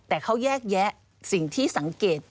แต่เขาแยกแยะสิ่งที่สังเกต